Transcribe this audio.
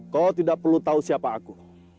kau tidak perlu tahu siapa aku